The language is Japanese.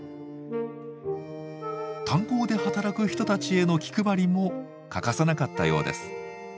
炭鉱で働く人たちへの気配りも欠かさなかったようです。